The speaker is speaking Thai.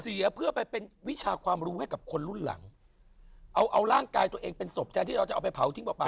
เสียเพื่อไปเป็นวิชาความรู้ให้กับคนรุ่นหลังเอาเอาร่างกายตัวเองเป็นศพแทนที่เราจะเอาไปเผาทิ้งเปล่า